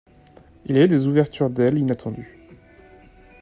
Il avait des ouvertures d’ailes inattendues.